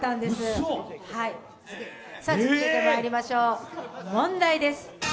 続いてまいりましょう、問題です。